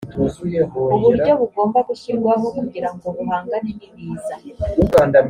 uburyo bugomba gushyirwaho kugirango buhangane n’ibiza